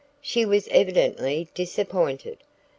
She was evidently disappointed.